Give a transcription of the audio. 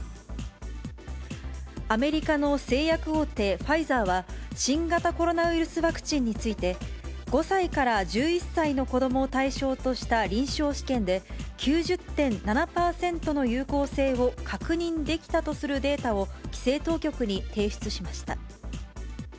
アメリカの製薬大手、ファイザーは、新型コロナウイルスワクチンについて、５歳から１１歳の子どもを対象とした臨床試験で、９０．７％の有効性を確認できたとするデータを規制当局に提出しました。